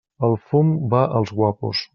El fum va als guapos.